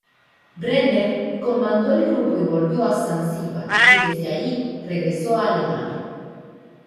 Brenner comandó el grupo y volvió a Zanzíbar y desde allí regresó a Alemania.